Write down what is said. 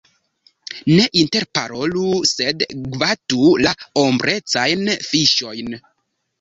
Ne interparolu, sed gvatu la ombrecajn fiŝojn!